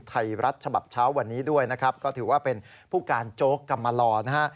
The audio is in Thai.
ไทยรัฐฉบับเช้าวันนี้ด้วยนะครับก็ถือว่าเป็นผู้การโจ๊กกำมาลอนะฮะ